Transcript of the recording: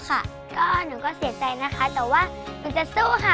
หนูก็เสียใจนะคะแต่ว่าหนูจะสู้ค่ะ